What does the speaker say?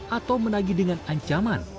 atau menagi dengan ancaman